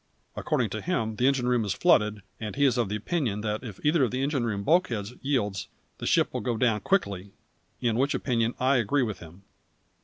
According to him the engine room is flooded; and he is of opinion that if either of the engine room bulkheads yields the ship will go down quickly in which opinion I agree with him.